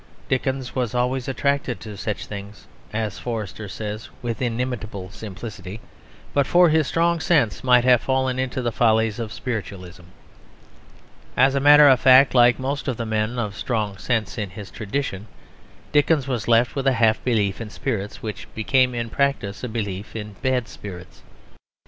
Dickens was always attracted to such things, and (as Forster says with inimitable simplicity) "but for his strong sense might have fallen into the follies of spiritualism." As a matter of fact, like most of the men of strong sense in his tradition, Dickens was left with a half belief in spirits which became in practice a belief in bad spirits.